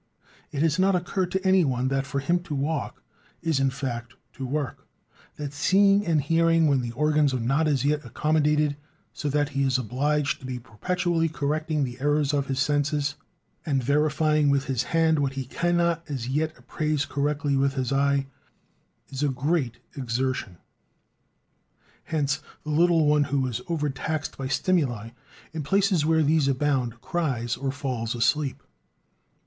It has not occurred to any one that for him to walk is, in fact, to work; that seeing and hearing, when the organs are not as yet accommodated, so that he is obliged to be perpetually correcting the errors of his senses, and verifying with his hand what he cannot as yet appraise correctly with his eye, is a great exertion. Hence the little one who is over taxed by stimuli, in places where these abound, cries or falls asleep.